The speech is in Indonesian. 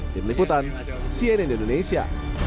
tim liputan cnn indonesia